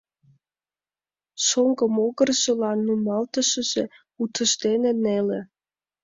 Шоҥго могыржылан нумалтышыже утыждене неле.